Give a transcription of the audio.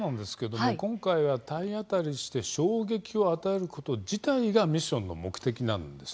今回は体当たりし衝撃を与えること自体がミッションの目的なんです。